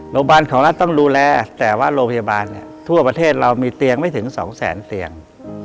โรงพยาบาลของรัฐต้องดูแลแต่ว่าโรงพยาบาลเนี่ยทั่วประเทศเรามีเตียงไม่ถึงสองแสนเตียง